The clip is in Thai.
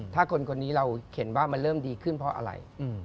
ถ้าคนคนนี้เราเห็นว่ามันเริ่มดีขึ้นเพราะอะไร